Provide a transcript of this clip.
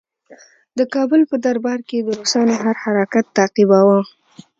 د کابل په دربار کې یې د روسانو هر حرکت تعقیباوه.